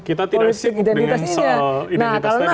kita tidak simp dengan soal identitas tadi ya